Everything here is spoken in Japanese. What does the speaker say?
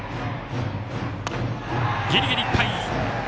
ギリギリいっぱい！